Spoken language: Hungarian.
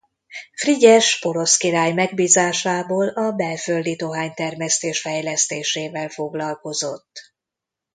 Frigyes porosz király megbízásából a belföldi dohánytermesztés fejlesztésével foglalkozott.